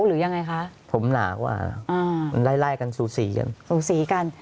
หรือยังไงคะผมหลากว่าอ่ามันไล่ไล่กันสูสีกันสูสีกัน